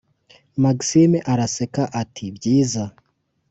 maxime araseka ati"byiza!!